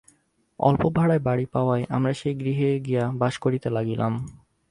অল্প ভাড়ায় বাড়ী পাওয়ায় আমরা সেই গৃহে গিয়া বাস করিতে লাগিলাম।